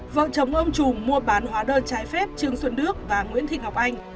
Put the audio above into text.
vợ chồng ông trù mua bán hóa đơn trái phép trương xuân đức và nguyễn thị ngọc anh